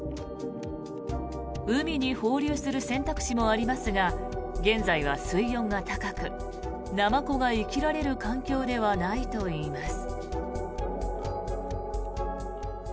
海に放流する選択肢もありますが現在は水温も高くナマコが生きられる環境ではないといいます。